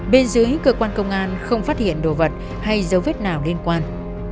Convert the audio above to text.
bên dưới cơ quan công an không phát hiện đồ vật hay dấu vết nào liên quan